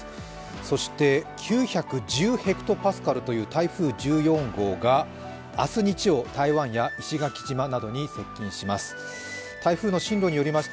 そして９１０ｈＰａという台風１４号が明日日曜、台湾や石垣島などに接近します。